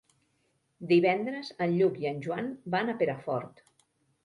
Divendres en Lluc i en Joan van a Perafort.